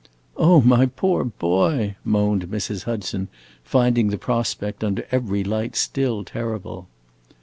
"Oh, my poor boy!" moaned Mrs. Hudson, finding the prospect, under every light, still terrible.